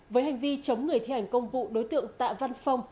với hành vi chống người thi hành công vụ đối tượng tạ văn phong